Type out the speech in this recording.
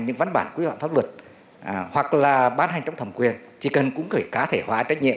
những văn bản quy hoạch pháp luật hoặc là ban hành trong thẩm quyền thì cần cũng phải cá thể hóa trách nhiệm